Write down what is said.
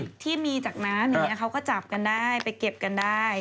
ภาพที่มีจากนานนี้เขาก็จะจับกันได้ไปเก็บกันได้